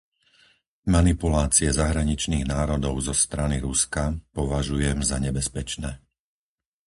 Manipulácie zahraničných národov zo strany Ruska považujem za nebezpečné.